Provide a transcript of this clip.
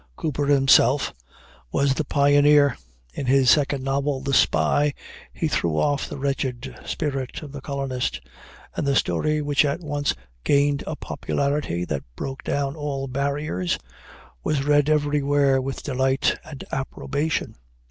Cooper himself was the pioneer. In his second novel, The Spy, he threw off the wretched spirit of the colonist, and the story, which at once gained a popularity that broke down all barriers, was read everywhere with delight and approbation.